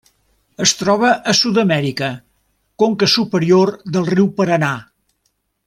Es troba a Sud-amèrica: conca superior del riu Paranà.